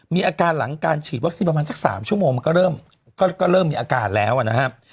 มีอาการหลังการฉีดวัคซีนประมาณสัก๓ชั่วโมงมันก็เริ่มมีอาการแล้วนะครับ